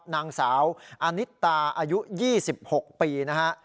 นางสาวอนิตตาอายุ๒๖ปี